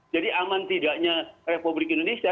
jadi aman tidaknya republik indonesia